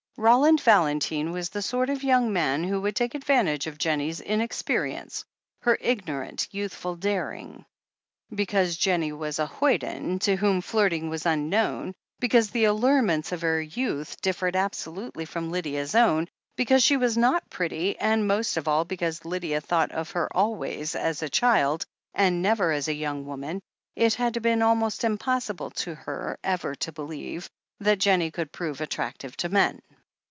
Roland Valentine was the sort of young man who would take advantage of Jennie's inexperience — ^her ignorant, youthful daring. Because Jennie was a hoyden, to whom flirting was unknown, because the allurements of her youth differed absolutely from Lydia's own, because she was not pretty, and, most of all, because Lydia thought of her always as a child, and never as a young woman, it had been almost im possible to her ever to believe that Jennie could prove attractive to men.